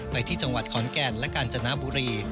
ในที่จังหวัดขอนแก่นและกาญจนบุรี